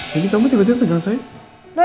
jadi kamu juga cek kandungan saya